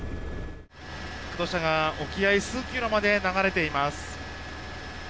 土砂が沖合数キロまで流れています。